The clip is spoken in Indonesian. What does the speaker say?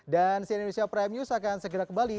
dan si indonesia prime news akan segera kembali